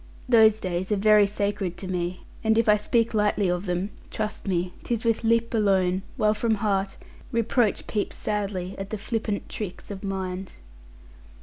Those days are very sacred to me, and if I speak lightly of them, trust me, 'tis with lip alone; while from heart reproach peeps sadly at the flippant tricks of mind.